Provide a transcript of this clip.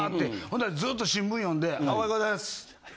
ほんだらずっと新聞読んで「おはようございます」。